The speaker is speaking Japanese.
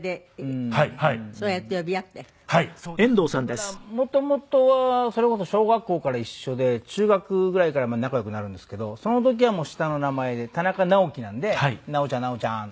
だからもともとはそれこそ小学校から一緒で中学ぐらいから仲良くなるんですけどその時はもう下の名前で田中直樹なんで「直ちゃん直ちゃん」。